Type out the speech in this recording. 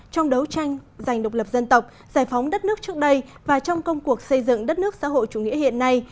trong đấu tranh giành độc lập dân tộc giải phóng đất nước trước đây và trong công cuộc xây dựng đất nước xã hội chủ nghĩa hiện nay